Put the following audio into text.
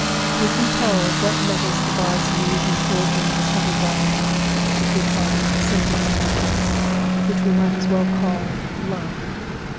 Who can tell what metals the gods use in forging the subtle bond which we call sympathy, which we might as well call love.